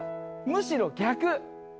むしろ逆。